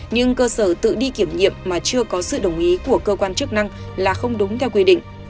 nhưng cơ sở tự đi kiểm nghiệm mà chưa có sự đồng ý của cơ quan chức năng là không đúng theo quy định